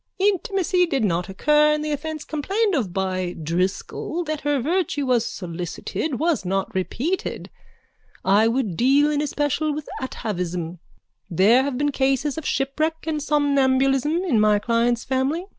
Intimacy did not occur and the offence complained of by Driscoll, that her virtue was solicited, was not repeated. I would deal in especial with atavism. There have been cases of shipwreck and somnambulism in my client's family.